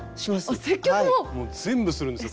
もう全部するんですよ